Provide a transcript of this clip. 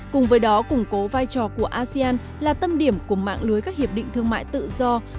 cùng với đó củng cố vai trò của asean là tâm điểm của mạng lưới các hiệp định thương mại tự do